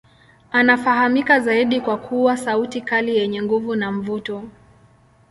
Anafahamika zaidi kwa kuwa sauti kali yenye nguvu na mvuto.